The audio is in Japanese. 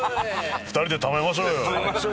２人でためましょうよ。